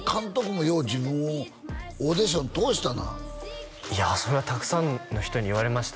もよう自分をオーディション通したないやそれはたくさんの人に言われました